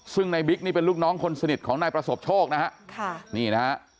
ซึ่งในบิ๊กนี่เป็นลูกน้องคนสนิทของนายประสบโชคนะฮะค่ะนี่นะฮะ